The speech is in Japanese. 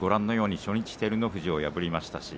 初日に照ノ富士を破りました。